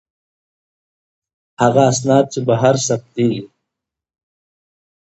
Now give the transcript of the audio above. هغه اسناد چې بهر ثبتیږي.